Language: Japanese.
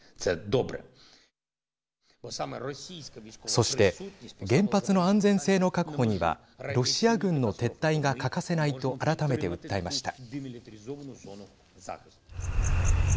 そして原発の安全性の確保にはロシア軍の撤退が欠かせないと改めて訴えました。